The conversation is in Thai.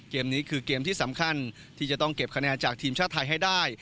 เกมนี้คือเกมที่สำคัญที่จะต้องเก็บคะแนนจากทีมชาติไทยให้ได้